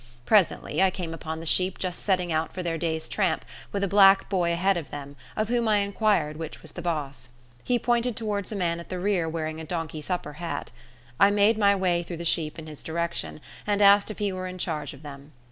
Presently I came upon the sheep just setting out for their day's tramp, with a black boy ahead of them, of whom I inquired which was the boss. He pointed towards a man at the rear wearing a donkey supper hat. I made my way through the sheep in his direction, and asked if he were in charge of them.